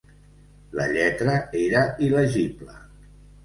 La lletra era il·legible.